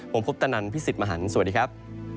ผมคุปตะนันพี่สิทธิ์มหันฯสวัสดีครับ